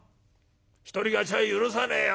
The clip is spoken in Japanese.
一人勝ちは許さねえよ』